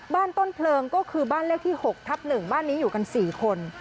ต้นเพลิงก็คือบ้านเลขที่๖ทับ๑บ้านนี้อยู่กัน๔คน